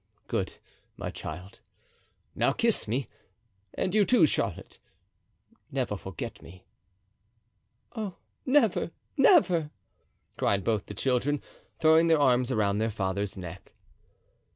"Good, my child. Now kiss me; and you, too, Charlotte. Never forget me." "Oh! never, never!" cried both the children, throwing their arms around their father's neck.